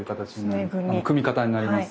あの組み方になります。